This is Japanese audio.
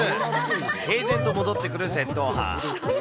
平然と戻ってくる窃盗犯。